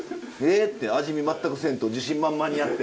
味見全くせんと自信満々にやって。